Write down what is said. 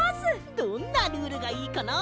どんなルールがいいかなあ？